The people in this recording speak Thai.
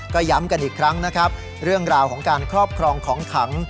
ก็ย้ำกันอีกครั้งนะครับเรื่องราวของการครอบครองของขัง